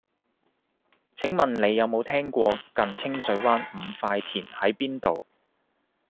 請問你有無聽過近清水灣五塊田喺邊度